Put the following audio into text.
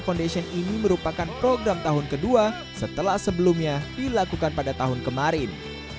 foundation ini merupakan program tahun kedua setelah sebelumnya dilakukan pada tahun kemarin